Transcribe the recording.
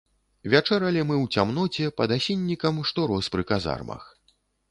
Вячэралі мы ў цямноце, пад асіннікам, што рос пры казармах.